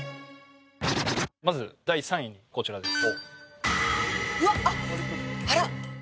まず第３位こちらです